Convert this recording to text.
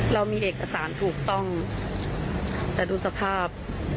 เรามีเอกสารถูกต้องแต่ดูสภาพ